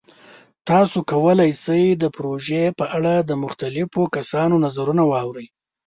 تاسو کولی شئ د پروژې په اړه د مختلفو کسانو نظرونه واورئ.